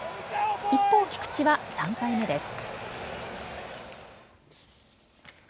一方、菊池は３敗目です。